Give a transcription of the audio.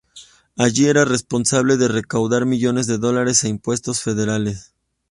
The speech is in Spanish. Allí era responsable de recaudar millones de dólares en impuestos federales.